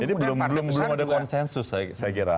belum ada konsensus saya kira